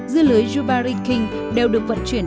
dưa lưới yubari king đều được vận chuyển